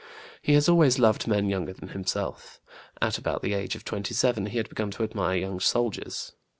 He has always loved men younger than himself. At about the age of 27 he had begun to admire young soldiers.